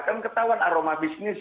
kan ketahuan aroma bisnis